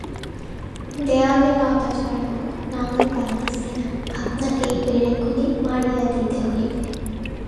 দেয়ালে লতা চড়াইব, নাগাল পাইতেছি না, আপনাকে এই পেরেকগুলি মারিয়া দিতে হইবে।